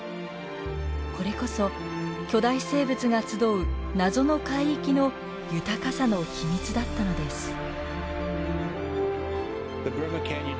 これこそ巨大生物が集う謎の海域の豊かさの秘密だったのです。